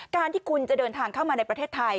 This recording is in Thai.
การที่คุณจะเดินทางเข้ามาในประเทศไทย